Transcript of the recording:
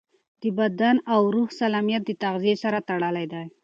د بدن او روح سالمیت د تغذیې سره تړلی دی.